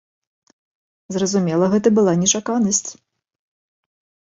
Зразумела, гэта была нечаканасць.